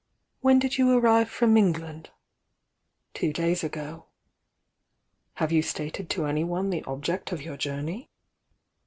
"When did you arrive from England?" "Two days ago." "Have you stated to anyone the object of your journey?"